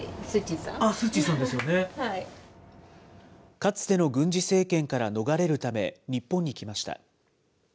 かつての軍事政権から逃れるため、日本に来ました。